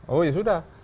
oh ya sudah